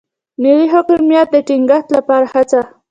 ملي حاکمیت د ټینګښت لپاره هڅه.